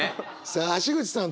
さあ橋口さん